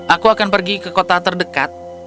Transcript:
aku akan pergi ke kota terdekat